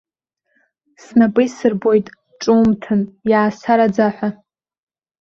Снапы исырбоит, ҿумҭын, иаасараӡа ҳәа.